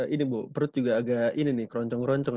ini bu perut juga agak ini nih keroncong keroncong